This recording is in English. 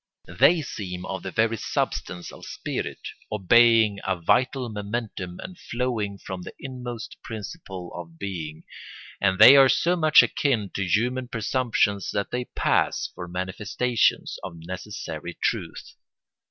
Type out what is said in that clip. They seem of the very substance of spirit, obeying a vital momentum and flowing from the inmost principle of being; and they are so much akin to human presumptions that they pass for manifestations of necessary truth.